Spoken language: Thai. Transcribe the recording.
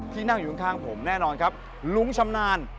นั่งอยู่ข้างผมแน่นอนครับลุงชำนาญ